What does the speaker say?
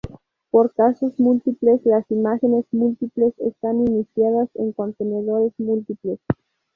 Para casos múltiples, las imágenes múltiples están iniciadas en contenedores múltiples.